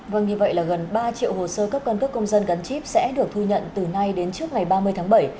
vâng như vậy là gần ba triệu hồ sơ cấp căn cước công dân gắn chip sẽ được thu nhận từ nay đến trước ngày ba mươi tháng bảy